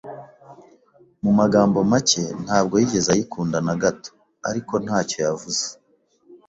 Mu magambo make, ntabwo yigeze ayikunda na gato, ariko ntacyo yavuze.